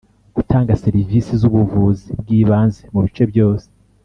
Gutanga serivisi z ubuvuzi bw ibanze mu bice byose